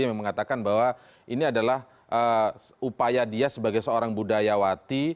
yang mengatakan bahwa ini adalah upaya dia sebagai seorang budayawati